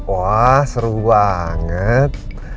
wah seru banget